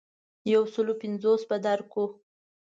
یو سلو پنځوس به درکړو.